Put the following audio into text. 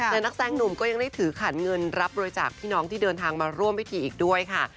แต่นักแสดงหนุ่มก็ยังได้ถือขันเงินรับบริจาคพี่น้องที่เดินทางมาร่วมพิธีอีกด้วยค่ะ